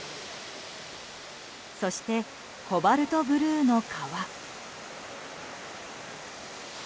そして、コバルトブルーの川。